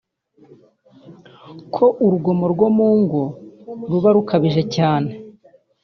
kuko urugomo rwo mu ngo ruba rukabije cyane